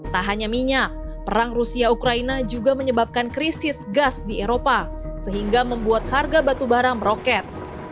tak hanya minyak perang rusia ukraina juga menyebabkan krisis gas di eropa sehingga membuat harga batubara meroket